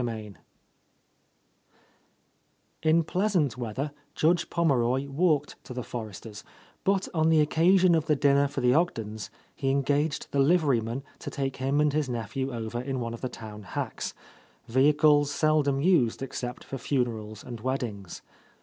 —42— IV I N pleasant weather Judge Pommeroy walked to the Forresters', but on the occasion of the dinner for the Ogdens he engaged the liveryman to take him and his nephew over in one of the town hacks, — ^vehicles seldom used ex cept for funerals and weddings.